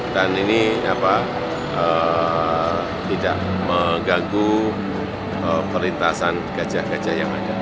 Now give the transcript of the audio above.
dan ini tidak mengganggu perlintasan gajah gajah yang ada